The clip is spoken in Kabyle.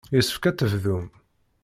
Yessefk ad tebdum.